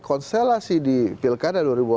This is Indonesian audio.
konstelasi di pilkada dua ribu delapan belas